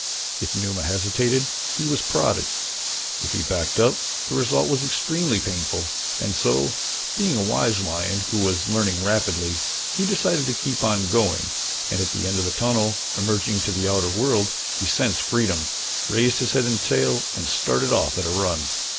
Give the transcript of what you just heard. If Numa hesitated he was prodded. If he backed up the result was extremely painful and so, being a wise lion who was learning rapidly, he decided to keep on going and at the end of the tunnel, emerging into the outer world, he sensed freedom, raised his head and tail and started off at a run.